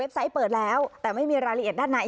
ไซต์เปิดแล้วแต่ไม่มีรายละเอียดด้านใน